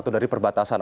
atau dari perbatasan